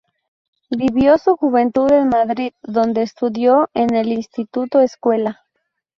Vivió su juventud en Madrid, donde estudió en el Instituto-Escuela.